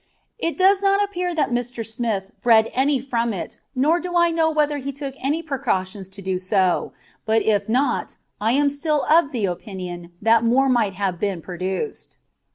It does not appear that Mr. Smith bred any from it, nor do I know whether he took any precautions to do so; but if not, I am still of the opinion that more might have been produced.